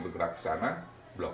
pak p stroma